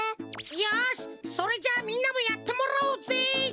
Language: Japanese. よしそれじゃあみんなもやってもらおうぜ！